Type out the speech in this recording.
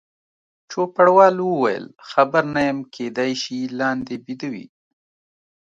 چوپړوال وویل: خبر نه یم، کېدای شي لاندې بیده وي.